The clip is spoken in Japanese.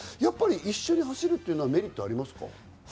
一緒に走るということはメリットがありますか？